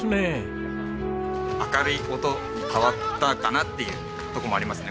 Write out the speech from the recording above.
明るい音に変わったかなっていうとこもありますね。